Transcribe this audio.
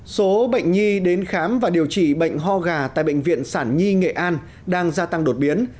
số bệnh nhi đến khám và điều trị bệnh ho gà tại bệnh viện sản nhi nghệ an đang gia tăng đột biến